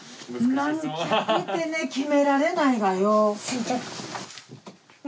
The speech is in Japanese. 何着ってね決められないがよ。